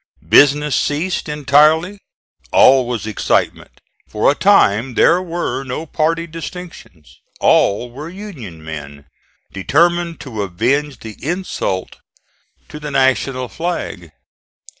Business ceased entirely; all was excitement; for a time there were no party distinctions; all were Union men, determined to avenge the insult to the national flag.